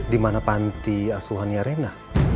di mana panti asuhannya rena